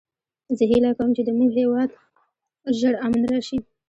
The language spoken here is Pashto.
زه هیله کوم چې د مونږ هیواد کې ژر امن راشي